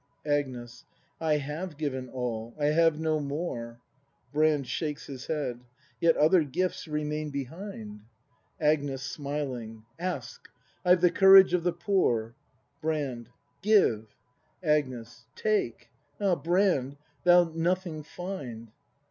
Agnes. I have given all ; I have no more ! Brand. [SJiaJces his head.] Yet other gifts remain behind. ACT IV] BRAND 195 Agnes. [Smiling.] Ask: I've the courage of the poor! Brand. Give! Agnes. Take! Ah, Brand, thou'lt nothing find!